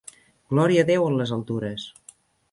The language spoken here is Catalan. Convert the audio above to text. Glòria a Déu en les altures.